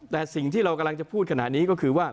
แต่สิ่งที่เรากำลังจะพูดขนาดนี้ก็คือว่า